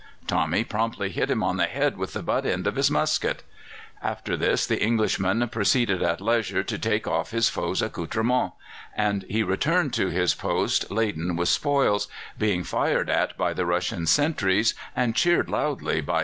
Tommy promptly hit him on the head with the butt end of his musket. After this the Englishman proceeded at leisure to take off his foes' accoutrements, and he returned to his post laden with spoils, being fired at by the Russian sentries and cheered loudly by the English pickets.